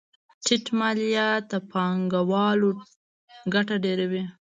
ټیټ مالیات د پانګوالو ګټه ډېروي.